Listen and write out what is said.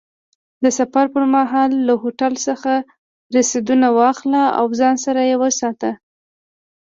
د سفر پر مهال له هوټل څخه رسیدونه واخله او ځان سره یې وساته.